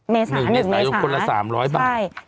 เมษายนคนละ๓๐๐บาท